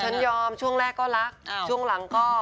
ฉันยอมช่วงแรกก็รักช่วงหลังก็